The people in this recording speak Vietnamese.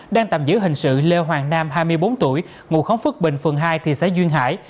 đang tạm giữ hình sự lê hoàng nam hai mươi bốn tuổi ngụ khóng phước bình phường hai thị xã duyên hải